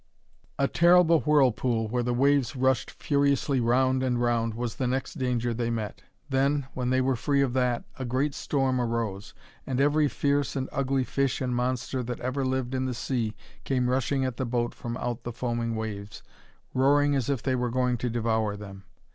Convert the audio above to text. A terrible whirlpool, where the waves rushed furiously round and round, was the next danger that they met. Then, when they were free of that, a great storm arose, and every fierce and ugly fish and monster that ever lived in the sea came rushing at the boat from out the foaming waves, roaring as if they were going to devour them.